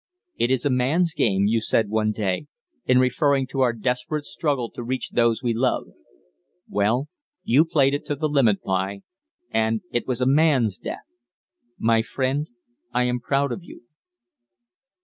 "It is a man's game," you said one day, in referring to our desperate struggle to reach those we loved. Well, you played it to the limit, b'y, and it was a man's death. My friend, I am proud of you.